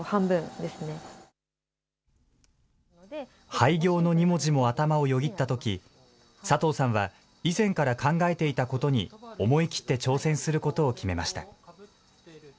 廃業の２文字も頭をよぎったとき、佐藤さんは以前から考えていたことに、思い切って挑戦することを決めました。